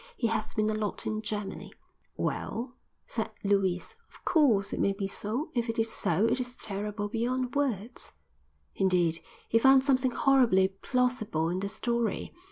He has been a lot in Germany." "Well," said Lewis, "of course, it may be so. If it is so, it is terrible beyond words." Indeed, he found something horribly plausible in the story.